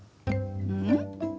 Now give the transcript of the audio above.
うん？